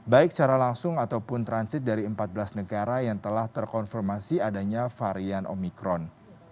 baik secara langsung ataupun transit dari empat belas negara yang telah terkonfirmasi adanya varian omikron